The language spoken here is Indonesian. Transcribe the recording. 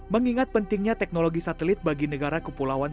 mengingat pentingnya teknologi satelit bagi negara kepulauan